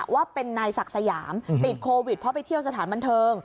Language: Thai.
ว่าเป็นนายศักดิ์สยามติดโควิดเพราะไปเที่ยวสถานบันเทิง